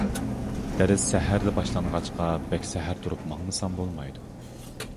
دەرس سەھەردە باشلانغاچقا بەك سەھەر تۇرۇپ ماڭمىسام بولمايدۇ.